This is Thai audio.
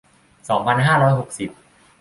สองพันห้าร้อยหกสิบ